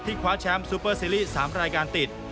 คว้าแชมป์ซูเปอร์ซีรีส์๓รายการติด